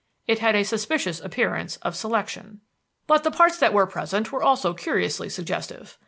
"It had a suspicious appearance of selection. "But the parts that were present were also curiously suggestive.